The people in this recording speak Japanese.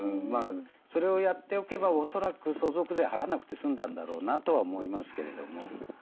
それをやっておけばおそらく相続税払わなくて済んだんだろうなとは思いますけれども。